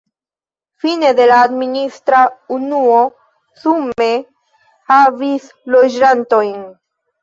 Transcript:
Fine de la administra unuo sume havis loĝantojn.